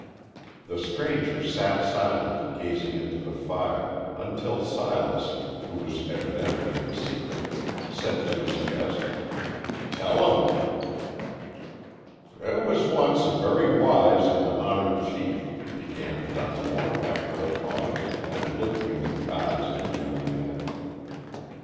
The stranger sat silent, gazing into the fire, until Silas, who was evidently in the secret, said to his guest, "Tell 'em." "There was once a very wise and honored chief," began Dunmore, after a pause, and looking into the eyes of the young man.